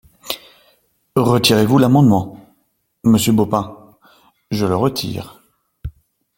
Retirez-vous l’amendement, monsieur Baupin ? Je le retire.